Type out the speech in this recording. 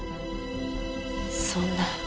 そんな。